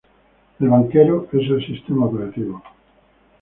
El banquero es el sistema operativo.